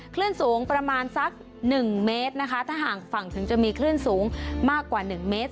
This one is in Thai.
คลื่นสูงประมาณสักหนึ่งเมตรนะคะถ้าห่างฝั่งถึงจะมีคลื่นสูงมากกว่าหนึ่งเมตร